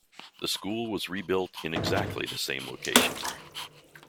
The school was rebuilt in exactly the same location.